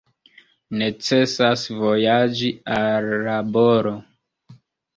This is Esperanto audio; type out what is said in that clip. Necesas vojaĝi al laboro.